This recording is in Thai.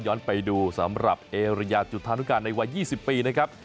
ไปดูสำหรับเอริยาจุธานุการณ์ในวัย๒๐ปีนะครับ